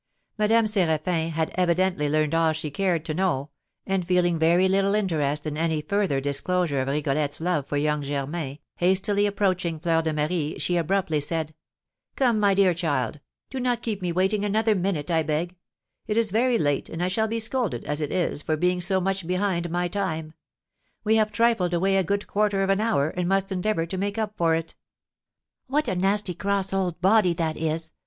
Madame Séraphin had evidently learned all she cared to know, and feeling very little interest in any further disclosure of Rigolette's love for young Germain, hastily approaching Fleur de Marie, she abruptly said: "Come, my dear child, do not keep me waiting another minute, I beg; it is very late, and I shall be scolded, as it is, for being so much behind my time; we have trifled away a good quarter of an hour, and must endeavour to make up for it." "What a nasty cross old body that is!"